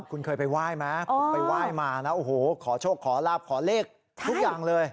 จริงเคยไปไหว้ไหมไปไหว้มานะขอโชคขอรับขอเลขทุกอย่างเลย